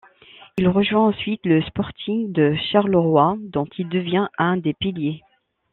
Il rejoint ensuite le Sporting de Charleroi dont il devient un des piliers.